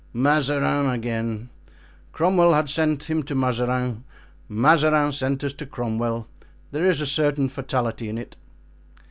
"Mazarin again. Cromwell had sent him to Mazarin. Mazarin sent us to Cromwell. There is a certain fatality in it."